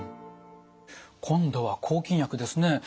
今度は抗菌薬ですね。